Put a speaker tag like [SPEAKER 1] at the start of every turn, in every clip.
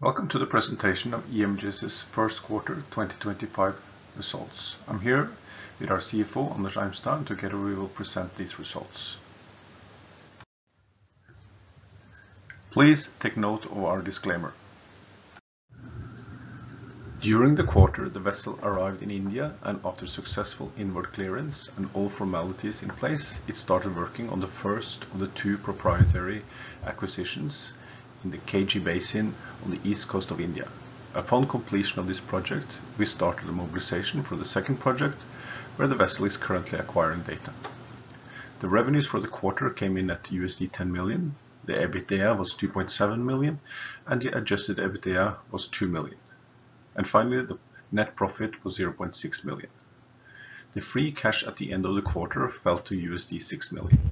[SPEAKER 1] Welcome to the presentation of EMGS's first quarter 2025 results. I'm here with our CFO, Anders Eimstad, and together we will present these results. Please take note of our disclaimer. During the quarter, the vessel arrived in India, and after successful inward clearance and all formalities in place, it started working on the first of the two proprietary acquisitions in the KG Basin on the east coast of India. Upon completion of this project, we started the mobilization for the second project, where the vessel is currently acquiring data. The revenues for the quarter came in at $10 million, the EBITDA was $2.7 million, and the Adjusted EBITDA was $2 million. Finally, the net profit was $0.6 million. The free cash at the end of the quarter fell to $6 million.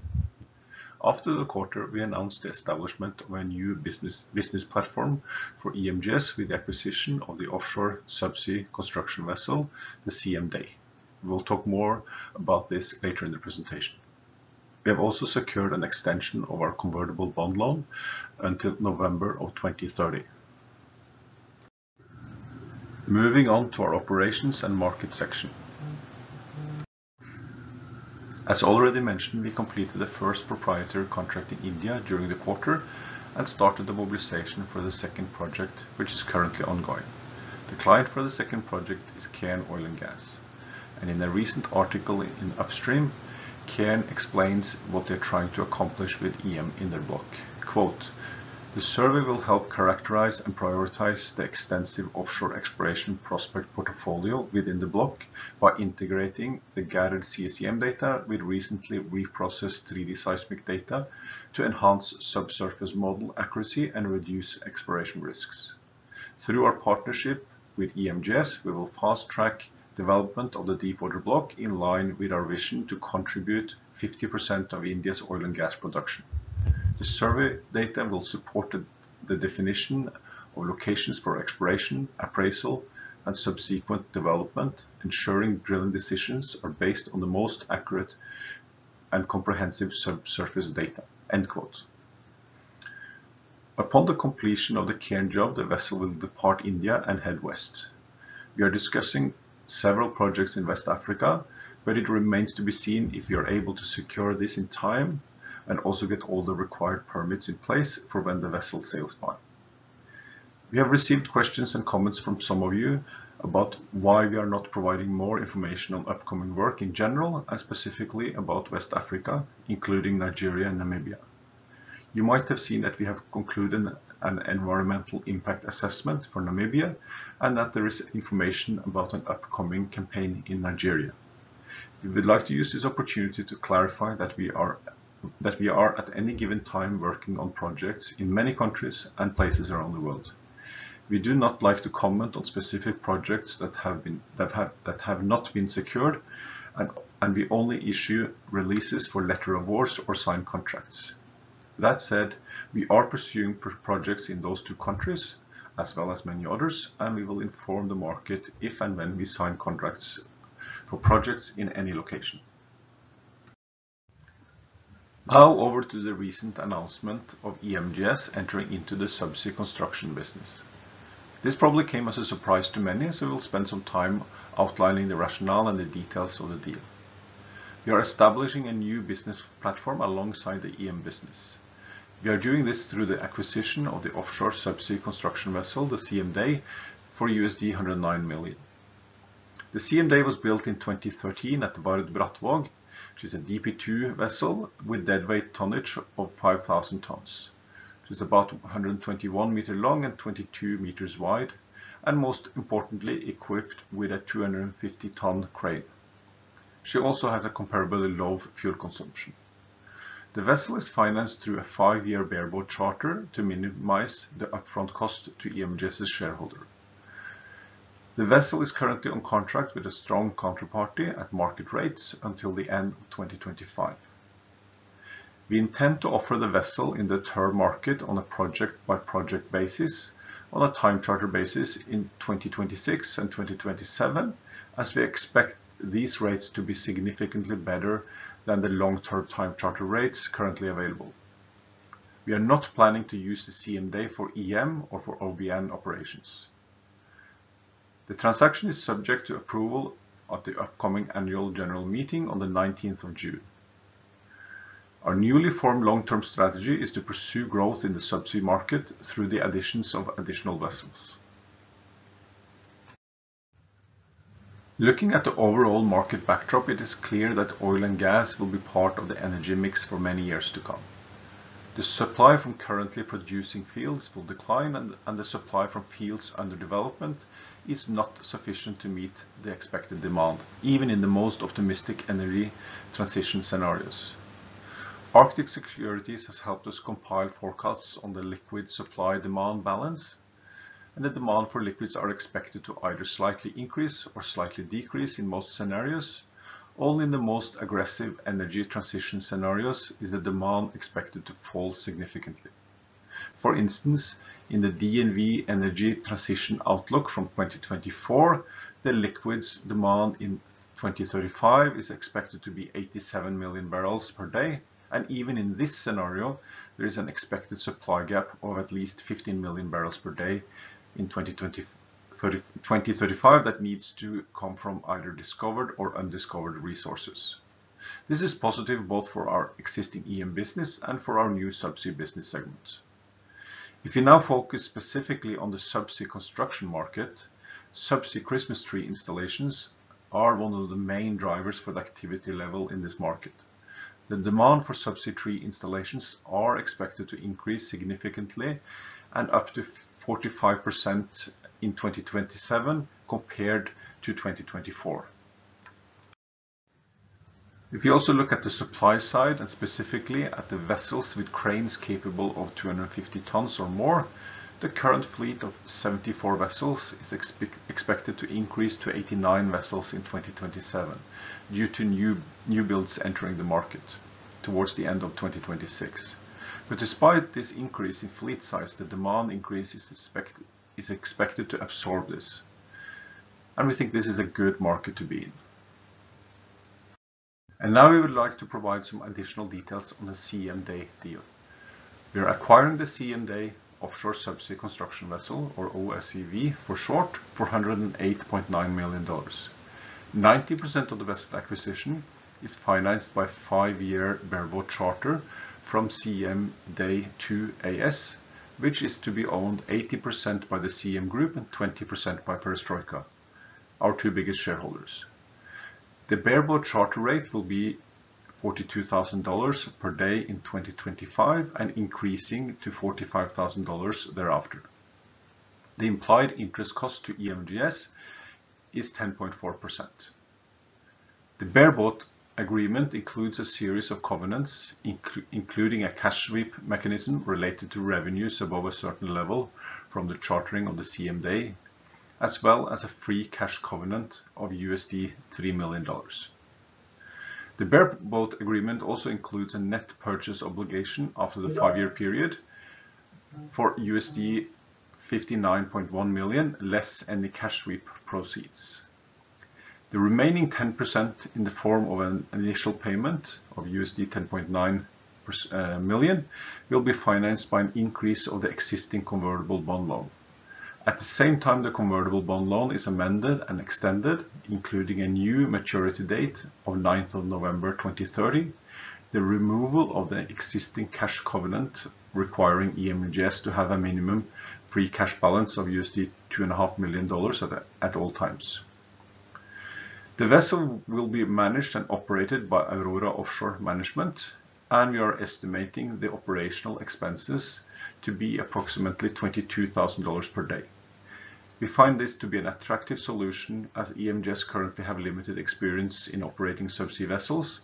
[SPEAKER 1] After the quarter, we announced the establishment of a new business platform for EMGS with the acquisition of the offshore subsea construction vessel, the CM Day. We'll talk more about this later in the presentation. We have also secured an extension of our convertible bond loan until November of 2030. Moving on to our operations and market section. As already mentioned, we completed the first proprietary contract in India during the quarter and started the mobilization for the second project, which is currently ongoing. The client for the second project is KN Oil & Gas. In a recent article in Upstream, KN explains what they're trying to accomplish with EM in their book. The survey will help characterize and prioritize the extensive offshore exploration prospect portfolio within the block by integrating the gathered CSEM data with recently reprocessed 3D seismic data to enhance subsurface model accuracy and reduce exploration risks. Through our partnership with EMGS, we will fast-track development of the deep water block in line with our vision to contribute 50% of India's oil and gas production. The survey data will support the definition of locations for exploration, appraisal, and subsequent development, ensuring drilling decisions are based on the most accurate and comprehensive subsurface data." Upon the completion of the KN job, the vessel will depart India and head west. We are discussing several projects in West Africa, but it remains to be seen if we are able to secure this in time and also get all the required permits in place for when the vessel sails on. We have received questions and comments from some of you about why we are not providing more information on upcoming work in general and specifically about West Africa, including Nigeria and Namibia. You might have seen that we have concluded an environmental impact assessment for Namibia and that there is information about an upcoming campaign in Nigeria. We would like to use this opportunity to clarify that we are at any given time working on projects in many countries and places around the world. We do not like to comment on specific projects that have not been secured, and we only issue releases for letter awards or signed contracts. That said, we are pursuing projects in those two countries, as well as many others, and we will inform the market if and when we sign contracts for projects in any location. Now, over to the recent announcement of EMGS entering into the subsea construction business. This probably came as a surprise to many, so we'll spend some time outlining the rationale and the details of the deal. We are establishing a new business platform alongside the EM business. We are doing this through the acquisition of the offshore subsea construction vessel, the CM Day, for $109 million. The CM Day was built in 2013 at the Vard Brattvaag. She's a DP2 vessel with deadweight tonnage of 5,000 tons. She's about 121 m long and 22 m wide, and most importantly, equipped with a 250-ton crane. She also has a comparably low fuel consumption. The vessel is financed through a five-year bareboat charter to minimize the upfront cost to EMGS's shareholder. The vessel is currently on contract with a strong counterparty at market rates until the end of 2025. We intend to offer the vessel in the term market on a project-by-project basis on a time charter basis in 2026 and 2027, as we expect these rates to be significantly better than the long-term time charter rates currently available. We are not planning to use the CM Day for EM or for OBN operations. The transaction is subject to approval at the upcoming annual general meeting on the 19th of June. Our newly formed long-term strategy is to pursue growth in the subsea market through the additions of additional vessels. Looking at the overall market backdrop, it is clear that oil and gas will be part of the energy mix for many years to come. The supply from currently producing fields will decline, and the supply from fields under development is not sufficient to meet the expected demand, even in the most optimistic energy transition scenarios. Arctic Securities has helped us compile forecasts on the liquid supply-demand balance, and the demand for liquids is expected to either slightly increase or slightly decrease in most scenarios. Only in the most aggressive energy transition scenarios is the demand expected to fall significantly. For instance, in the DNV Energy Transition Outlook from 2024, the liquids demand in 2035 is expected to be 87 MMbpd. Even in this scenario, there is an expected supply gap of at least 15 MMbpd in 2035 that needs to come from either discovered or undiscovered resources. This is positive both for our existing EM business and for our new subsea business segment. If we now focus specifically on the subsea construction market, subsea Christmas tree installations are one of the main drivers for the activity level in this market. The demand for subsea tree installations is expected to increase significantly and up to 45% in 2027 compared to 2024. If we also look at the supply side, and specifically at the vessels with cranes capable of 250 tons or more, the current fleet of 74 vessels is expected to increase to 89 vessels in 2027 due to new builds entering the market towards the end of 2026. Despite this increase in fleet size, the demand increase is expected to absorb this, and we think this is a good market to be in. Now we would like to provide some additional details on the CM Day deal. We are acquiring the CM Day offshore subsea construction vessel, or OSCV for short, for $108.9 million. 90% of the vessel acquisition is financed by a five-year bareboat charter from CM Day 2 AS, which is to be owned 80% by the CM Group and 20% by Perestroika, our two biggest shareholders. The bareboat charter rate will be $42,000 per day in 2025 and increasing to $45,000 thereafter. The implied interest cost to EMGS is 10.4%. The bareboat agreement includes a series of covenants, including a cash sweep mechanism related to revenues above a certain level from the chartering of the CM Day, as well as a free cash covenant of $3 million. The bareboat agreement also includes a net purchase obligation after the five-year period for $59.1 million, less any cash sweep proceeds. The remaining 10% in the form of an initial payment of $10.9 million will be financed by an increase of the existing convertible bond loan. At the same time, the convertible bond loan is amended and extended, including a new maturity date of 9th of November 2030, the removal of the existing cash covenant requiring EMGS to have a minimum free cash balance of $2.5 million at all times. The vessel will be managed and operated by Aurora Offshore Management, and we are estimating the operational expenses to be approximately $22,000 per day. We find this to be an attractive solution as EMGS currently have limited experience in operating subsea vessels,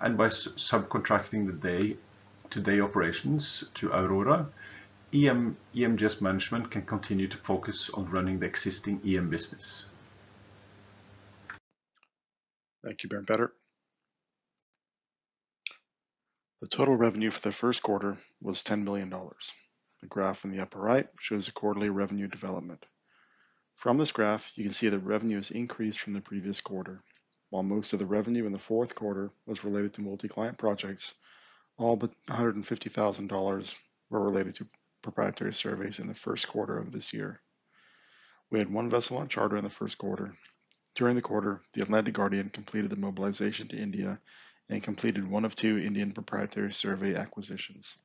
[SPEAKER 1] and by subcontracting the day-to-day operations to Aurora, EMGS management can continue to focus on running the existing EM business.
[SPEAKER 2] Thank you, Bjørn Petter. The total revenue for the first quarter was $10 million. The graph on the upper right shows the quarterly revenue development. From this graph, you can see that revenue has increased from the previous quarter. While most of the revenue in the fourth quarter was related to multi-client projects, all but $150,000 were related to proprietary surveys in the first quarter of this year. We had one vessel on charter in the first quarter. During the quarter, the Atlantic Guardian completed the mobilization to India and completed one of two Indian proprietary survey acquisitions.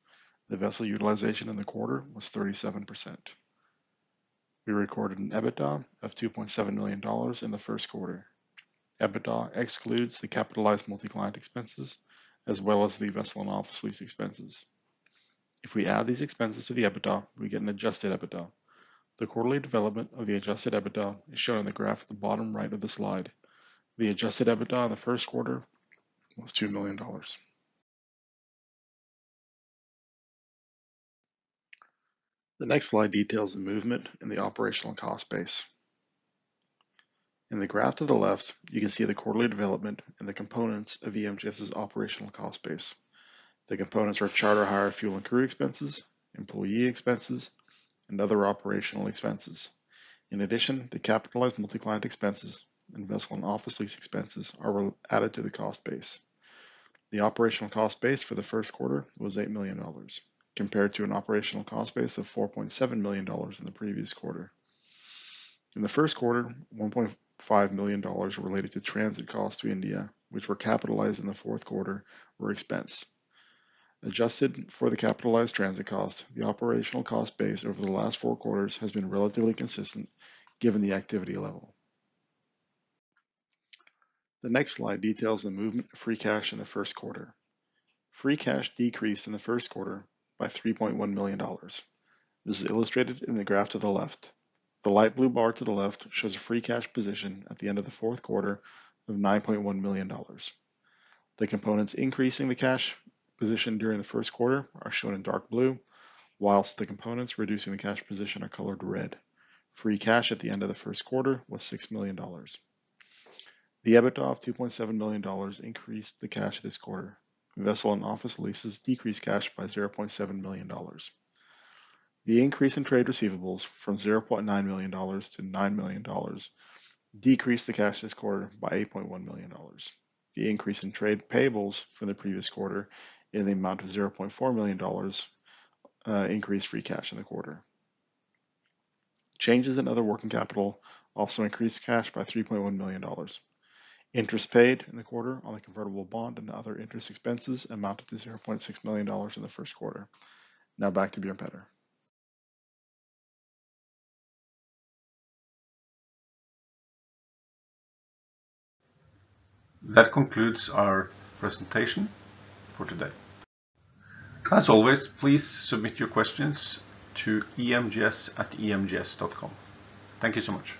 [SPEAKER 2] The vessel utilization in the quarter was 37%. We recorded an EBITDA of $2.7 million in the first quarter. EBITDA excludes the capitalized multi-client expenses as well as the vessel and office lease expenses. If we add these expenses to the EBITDA, we get an Adjusted EBITDA. The quarterly development of the Adjusted EBITDA is shown in the graph at the bottom right of the slide. The Adjusted EBITDA in the first quarter was $2 million. The next slide details the movement in the operational cost base. In the graph to the left, you can see the quarterly development and the components of EMGS's operational cost base. The components are charter hire, fuel and crew expenses, employee expenses, and other operational expenses. In addition, the capitalized multi-client expenses and vessel and office lease expenses are added to the cost base. The operational cost base for the first quarter was $8 million, compared to an operational cost base of $4.7 million in the previous quarter. In the first quarter, $1.5 million related to transit costs to India, which were capitalized in the fourth quarter, were expensed. Adjusted for the capitalized transit cost, the operational cost base over the last four quarters has been relatively consistent given the activity level. The next slide details the movement of free cash in the first quarter. Free cash decreased in the first quarter by $3.1 million. This is illustrated in the graph to the left. The light blue bar to the left shows a free cash position at the end of the fourth quarter of $9.1 million. The components increasing the cash position during the first quarter are shown in dark blue, whilst the components reducing the cash position are colored red. Free cash at the end of the first quarter was $6 million. The EBITDA of $2.7 million increased the cash this quarter. Vessel and office leases decreased cash by $0.7 million. The increase in trade receivables from $0.9 million-$9 million decreased the cash this quarter by $8.1 million. The increase in trade payables from the previous quarter in the amount of $0.4 million increased free cash in the quarter. Changes in other working capital also increased cash by $3.1 million. Interest paid in the quarter on the convertible bond and other interest expenses amounted to $0.6 million in the first quarter. Now back to Bjørn Petter.
[SPEAKER 1] That concludes our presentation for today. As always, please submit your questions to emgs@emgs.com. Thank you so much.